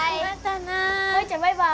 舞ちゃんバイバイ。